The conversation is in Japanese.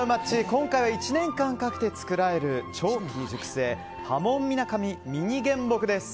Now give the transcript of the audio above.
今回は１年間かけて作られる長期熟成はもんみなかみミニ原木です。